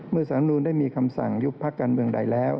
เมื่อศาลมนุมได้มีคำสั่งยุคพรรคการเมืองใดแล้ว